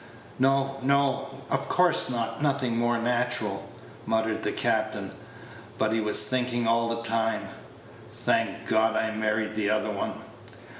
"No, no, of course not; nothing more natural," muttered the captain; but he was thinking all the time, "Thank God I married the other one."